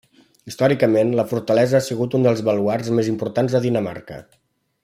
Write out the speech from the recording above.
Històricament, la fortalesa ha sigut un dels baluards més importants de Dinamarca.